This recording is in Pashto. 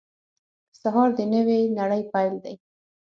سهار د نوې نړۍ پیل دی.